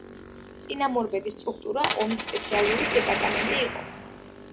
წინამორბედი სტრუქტურა ომის სპეციალური დეპარტამენტი იყო.